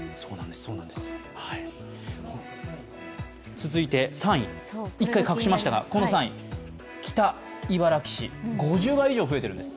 続いて３位、１回隠しましたが北茨城市、５０倍以上、増えてるんです。